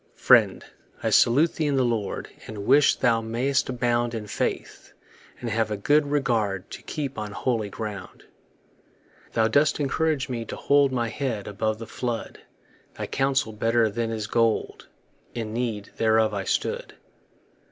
riend, I salute thee in the Lord, And wish thou may'st abound In faith, and have a good regard To keep on holy ground. Thou dost encourage me to hold My head above the flood; Thy counsel better is than gold: In need thereof I stood.